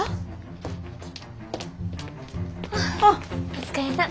お疲れさん。